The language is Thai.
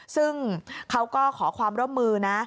ซึ่งเขาก็ขอความร่วมมือนะ